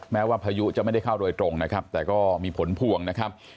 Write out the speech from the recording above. แม้ว่าพายุจะไม่ได้เข้าโดยตรงนะครับแต่ก็มีผลพวงนะครับ